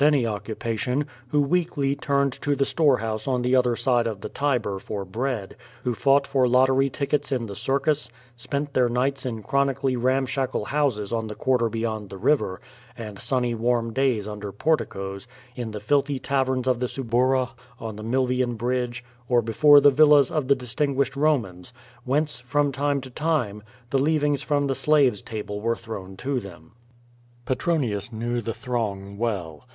21 any occupation, who weekly turned to the store house on the other side of the Tiber for bread, who fought for lottery tickets in the circus, spent their nights in chronically ram shackle houses on the quarter beyond the river, and sunny warm days under porticos, in the filthy taverns of the Suburra, on the Milvian bridge, or before the villas of the distinguished Romans, whence, from time to time, the leav ings from the slaves' table were thrown to them. Petronius knew the throng well.